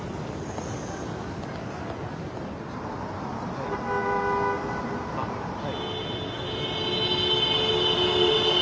はいあっはい。